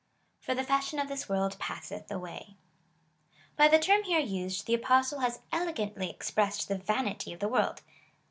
For the fashion of this world passeth away. By the term here used, the Apostle has elegantly expressed the vanity of the world.